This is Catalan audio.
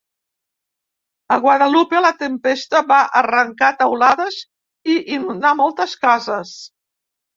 A Guadalupe, la tempesta va arrencar teulades i inundar moltes cases.